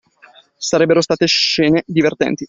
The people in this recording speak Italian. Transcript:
Sarebbero state scene divertenti.